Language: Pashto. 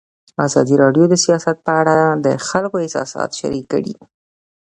ازادي راډیو د سیاست په اړه د خلکو احساسات شریک کړي.